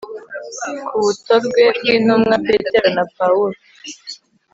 ku butorwe bw'intumwa petero na paulo